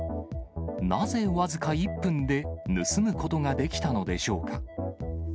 なぜ僅か１分で盗むことができたのでしょうか。